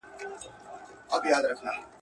خریې ځانته وو تر تلو نیژدې کړی!